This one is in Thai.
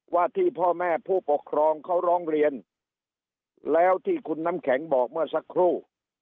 ว่าที่พ่อแม่ผู้ปกครองเขาร้องเรียนแล้วที่คุณน้ำแข็งบอกเมื่อสักครู่